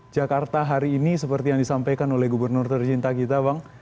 jakarta hari ini seperti yang disampaikan oleh gubernur tercinta kita bang